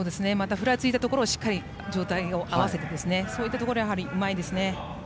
ふらついたところをしっかり上体を合わせてそういったところがうまいですね。